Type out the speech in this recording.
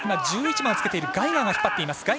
１１番をつけているガイガーが引っ張っています。